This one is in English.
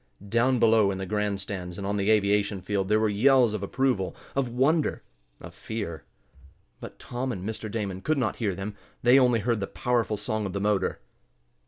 Down below in the grand stands, and on the aviation field, there were yells of approval of wonder of fear. But Tom and Mr. Damon could not hear them. They only heard the powerful song of the motor.